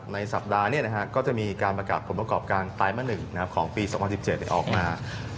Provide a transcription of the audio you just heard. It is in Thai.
ในสัปดาห์นี้ก็จะมีการประกาศผลประกอบการไตรมา๑ของปี๒๐๑๗ออกมา